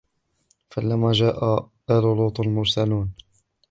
فَلَمَّا جَاءَ آلَ لُوطٍ الْمُرْسَلُونَ